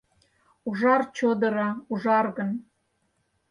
Ужар чодыра, ужаргын.